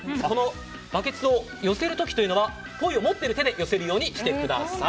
バケツを寄せる時はポイを持っている手で寄せるようにしてください。